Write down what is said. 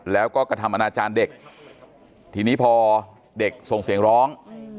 แล้วก็กระทำอนาจารย์เด็กทีนี้พอเด็กส่งเสียงร้อง